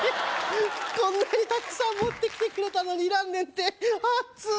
こんなにたくさん持ってきてくれたのにいらんねんてはっずー